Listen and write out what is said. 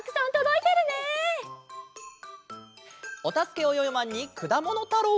「おたすけ！およよマン」に「くだものたろう」。